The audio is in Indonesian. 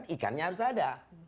kita lakukan ikannya harus ada